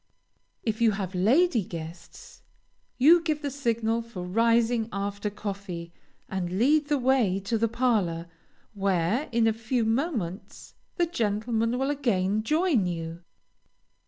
If you have lady guests, you give the signal for rising after coffee, and lead the way to the parlor, where, in a few moments, the gentlemen will again join you.